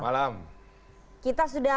malam kita sudah